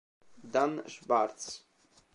Dan Swartz